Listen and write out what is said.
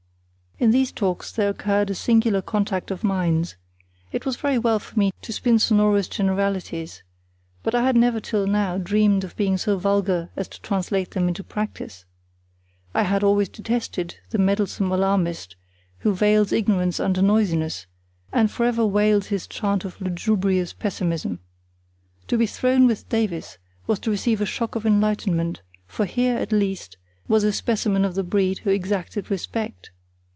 In these talks there occurred a singular contact of minds. It was very well for me to spin sonorous generalities, but I had never till now dreamed of being so vulgar as to translate them into practice. I had always detested the meddlesome alarmist, who veils ignorance under noisiness, and for ever wails his chant of lugubrious pessimism. To be thrown with Davies was to receive a shock of enlightenment; for here, at least, was a specimen of the breed who exacted respect.